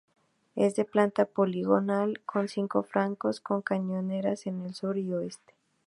Es de planta poligonal, con cinco flancos, con cañoneras en los sur y oeste.